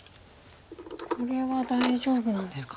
これは大丈夫なんですか。